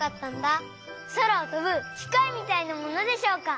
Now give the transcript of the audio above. そらをとぶきかいみたいなものでしょうか？